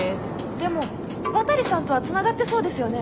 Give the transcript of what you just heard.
でも渡さんとはつながってそうですよね。